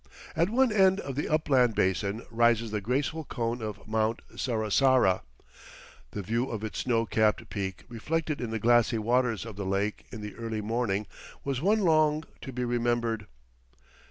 At one end of the upland basin rises the graceful cone of Mt. Sarasara. The view of its snow capped peak reflected in the glassy waters of the lake in the early morning was one long to be remembered.